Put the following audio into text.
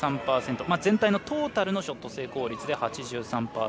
全体のトータルのショット成功率で８３％。